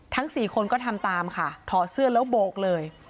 สี่คนก็ทำตามค่ะถอดเสื้อแล้วโบกเลย